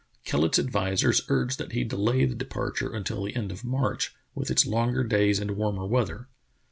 Kellet's advisers urged that he delay the departure until the end of March, with its longer days and warmer weather.